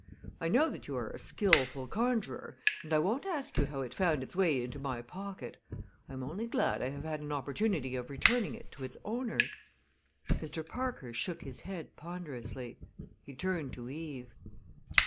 I know that you are a skillful conjurer and I won't ask you how it found its way into my pocket. I am only glad I have had an opportunity of returning it to its owner." Mr. Parker shook his head ponderously. He turned to Eve.